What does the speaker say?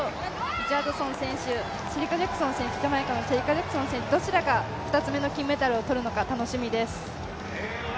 リチャードソン選手、ジャマイカのシェリカ・ジャクソン選手、どちらが２つの金メダルを取るのか楽しみです。